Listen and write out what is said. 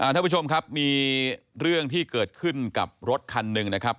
ท่านผู้ชมครับมีเรื่องที่เกิดขึ้นกับรถคันหนึ่งนะครับ